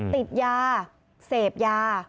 ติดยาเสพยา